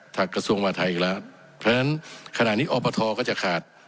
กระทรวงมาไทยอีกแล้วเพราะฉะนั้นขณะนี้อปทก็จะขาด